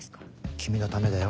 君のためだよ。